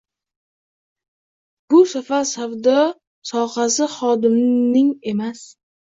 Bu safar savdo sohasi xodimining emas